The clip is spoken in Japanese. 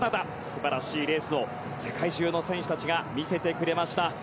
素晴らしいレースを世界中の選手たちが見せてくれました。